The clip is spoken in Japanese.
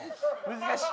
難しい。